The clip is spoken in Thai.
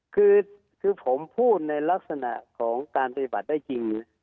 คือผมพูดในลักษณะของการปฏิบัติได้จริง